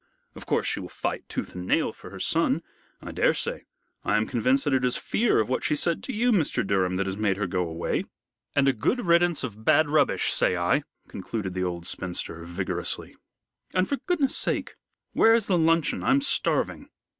Of course, she will fight tooth and nail for her son. I daresay I am convinced that it is fear of what she said to you, Mr. Durham, that has made her go away. And a good riddance of bad rubbish, say I," concluded the old spinster, vigorously, "and for goodness' sake, where's the luncheon? I'm starving."